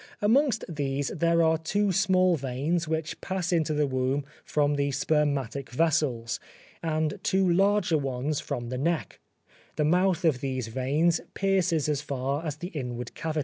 Amongst these there are two small veins which pass into the womb from the spermatic vessels, and two larger ones from the neck: the mouth of these veins pierces as far as the inward cavity.